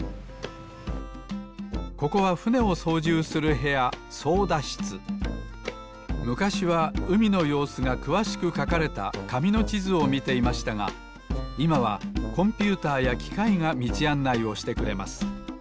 ここはふねをそうじゅうするへやむかしはうみのようすがくわしくかかれたかみのちずをみていましたがいまはコンピューターやきかいがみちあんないをしてくれます。